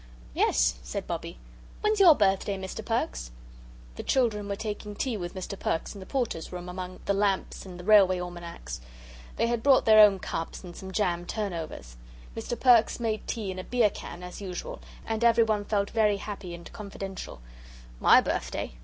"Yes," said Bobbie; "when's your birthday, Mr. Perks?" The children were taking tea with Mr. Perks in the Porters' room among the lamps and the railway almanacs. They had brought their own cups and some jam turnovers. Mr. Perks made tea in a beer can, as usual, and everyone felt very happy and confidential. "My birthday?"